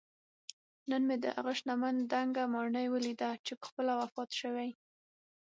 نن مې دهغه شتمن دنګه ماڼۍ ولیده چې پخپله وفات شوی